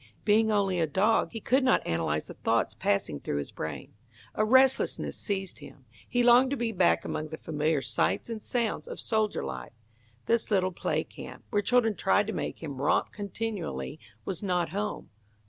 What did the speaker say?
Being only a dog, he could not analyse the thoughts passing through his brain. A restlessness seized him. He longed to be back among the familiar sights and sounds of soldier life. This little play camp, where children tried to make him romp continually, was not home.